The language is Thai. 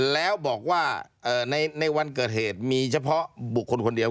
แล้วบอกว่าในวันเกิดเหตุมีเฉพาะบุคคลคนเดียว